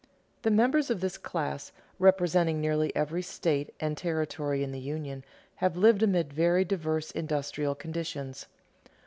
_ The members of this class, representing nearly every state and territory in the Union, have lived amid very diverse industrial conditions.